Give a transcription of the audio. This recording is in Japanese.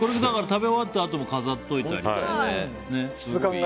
食べ終わったあとも飾っておいたり。